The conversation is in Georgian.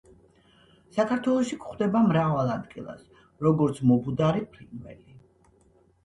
საქართველოში გვხვდება მრავალ ადგილას, როგორც მობუდარი ფრინველი.